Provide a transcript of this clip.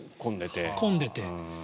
混んでて。